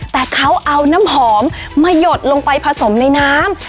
แต่เขาเอาน้ำหอมมาหยดลงไปผสมในน้ำ